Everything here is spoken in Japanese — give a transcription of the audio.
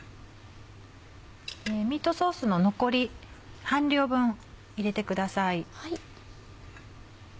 ミートソースの残り半量分入れてください。